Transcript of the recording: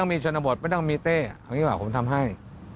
ไม่ต้องมีเต้ผมทำให้